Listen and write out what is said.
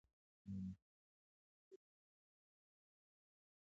ما د نصيب نه تېښته وکړه نصيب زما د لارې مل راسره ځينه